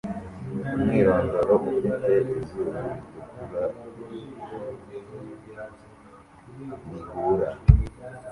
Umwirondoro ufite izuru ritukura rihuha